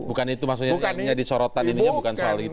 bukan itu maksudnya disorotan ini bukan soal itu